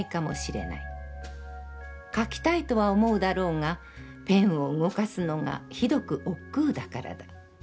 書きたいとは思うだろうが、ペンを動かすのがひどく億劫だからだ。